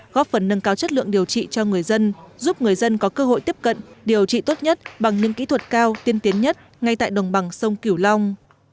góp phần nâng cao chất lượng điều trị cho người dân giúp người dân có cơ hội tiếp cận điều trị tốt nhất bằng những kỹ thuật cao tiên tiến nhất ngay tại đồng bằng sông cửu long